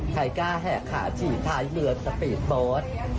ใครกล้าแหกขาฉี่ท้ายเรือสปีดโบสต์